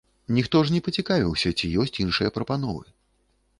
Ніхто ж не пацікавіўся, ці ёсць іншыя прапановы.